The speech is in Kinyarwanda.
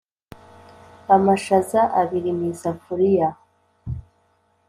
amashaza abiri mu isafuriya.